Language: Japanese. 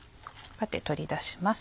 取り出します。